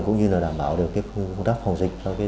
cũng như là đảm bảo được công tác phòng dịch